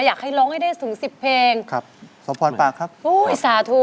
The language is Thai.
อยากให้ร้องให้ได้ถึง๑๐เพลงอุ๊ยสาธุ